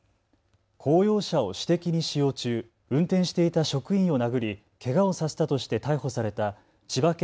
公用車を私的に使用中、運転していた職員を殴りけがをさせたとして逮捕された千葉県